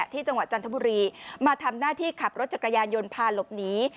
จังหวัดจันทบุรีมาทำหน้าที่ขับรถจักรยานยนต์พาหลบหนี